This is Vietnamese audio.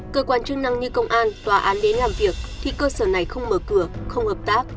cơ quan chức năng như công an tòa án đến làm việc thì cơ sở này không mở cửa không hợp tác